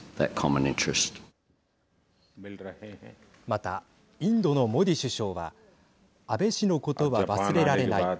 また、インドのモディ首相は安倍氏のことは忘れられない。